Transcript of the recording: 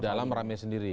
di dalam rame sendiri